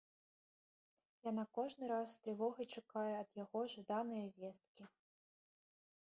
Яна кожны раз з трывогай чакае ад яго жаданае весткі.